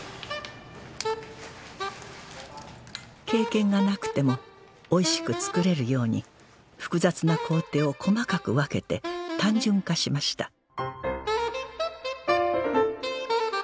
経験がなくてもおいしく作れるように複雑な工程を細かく分けて単純化しました